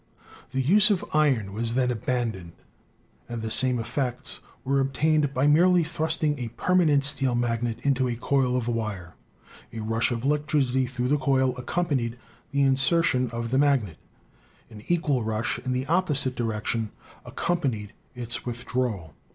The use of iron was then abandoned, and the same effects were obtained by merely thrusting a permanent steel magnet into a coil of wire. A rush of electricity through the coil accompanied the in sertion of the magnet ; an equal rush in the opposite direc tion accompanied its withdrawal.